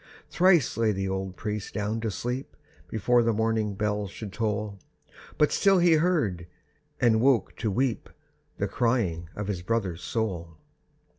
Thrice lay the old priest down to sleep Before the morning bell should toll; But still he heard—and woke to weep— The crying of his brother's soul.